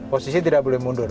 posisi tidak boleh mundur